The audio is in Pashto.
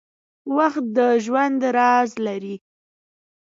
• وخت د ژوند راز لري.